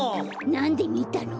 なんでみたの？